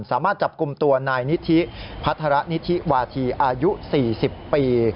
สามารถจับกลุ่มตัวนายนิธิพัฒระนิธิวาธีอายุ๔๐ปี